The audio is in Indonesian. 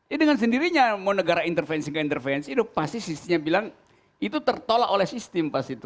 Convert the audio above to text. ya dengan sendirinya mau negara intervensi keintervensi pasti sistemnya bilang itu tertolak oleh sistem pasti itu